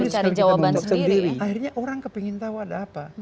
tidak tahu ada apa